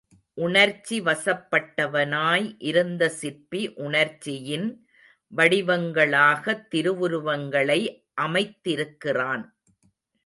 உணர்ச்சிவசப்பட்டவனாய் இருந்த சிற்பி உணர்ச்சியின் வடிவங்களாகத் திருவுருவங்களை அமைத்திருக்கிறான்.